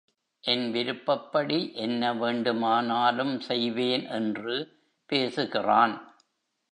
என் விருப்பப்படி என்ன வேண்டுமானாலும் செய்வேன் என்று பேசுகிறான்.